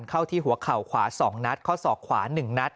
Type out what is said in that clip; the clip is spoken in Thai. เข้าที่หัวเข่าขวา๒นัตรข้อ๒ขวา๑นัตร